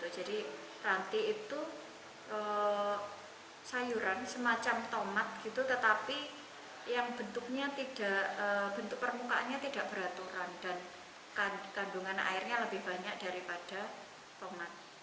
jadi ranti itu sayuran semacam tomat gitu tetapi yang bentuk permukaannya tidak beraturan dan kandungan airnya lebih banyak daripada tomat